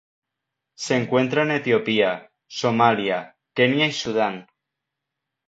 Se encuentra en Etiopía, Somalia, Kenia y Sudán.